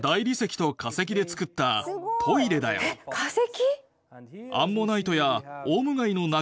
えっ化石！？